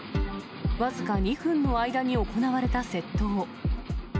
僅か２分の間に行われた窃盗。